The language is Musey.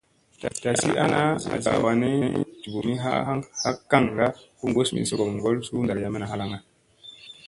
Dasi ana, asi ɓa wannii, juɓumi ha kaŋga u gus mi sogom ŋgol suu ɗarayamma halaŋga.